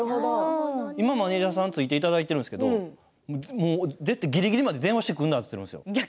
今マネージャーさん、ついていただいているんですけどぎりぎりまで電話してくるなと言ってるんですよ。